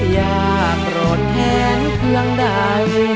อยากรอดแทนเพื่องใด